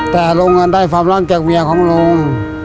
แต่ลุงได้ความรักจากเวียงของลุง